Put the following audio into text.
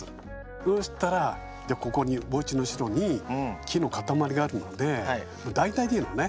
そうしたらじゃあここにおうちの後ろに木の固まりがあるので大体でいいのね。